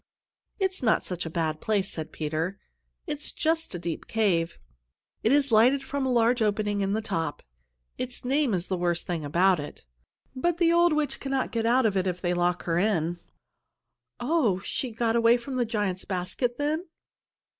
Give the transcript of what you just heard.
"It's not such a bad place," said Peter. "It is just a deep cave. It is lighted from a large opening in the top. Its name is the worst thing about it; but the old witch cannot get out of it if they lock her in." "Oh, she got away from the giant's basket, then?"